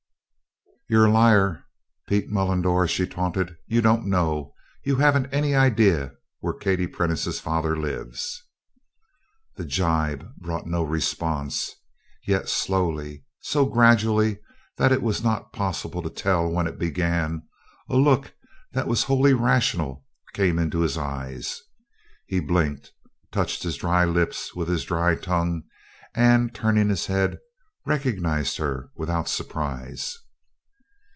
"You're a liar, Pete Mullendore!" she taunted. "You don't know. You haven't any idea where Katie Prentice's father lives!" The gibe brought no response; yet slowly, so gradually that it was not possible to tell when it began, a look that was wholly rational came into his eyes. He blinked, touched his dry lips with his dry tongue and, turning his head, recognized her without surprise.